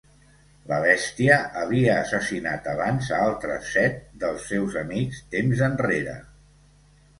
La bèstia havia assassinat abans a altres set dels seus amics temps enrere.